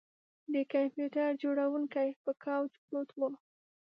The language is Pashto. د کمپیوټر جوړونکی په کوچ پروت و